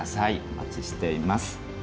お待ちしています。